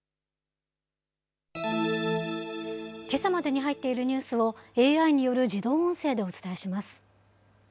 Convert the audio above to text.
けさまでに入っているニュースを、ＡＩによる自動音声でお伝えします。